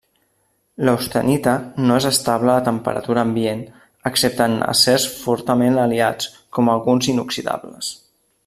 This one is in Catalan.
L'austenita no és estable a temperatura ambient excepte en acers fortament aliats com alguns inoxidables.